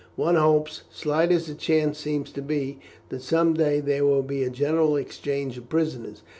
One hopes, slight as the chance seems to be, that some day there will be a general exchange of prisoners.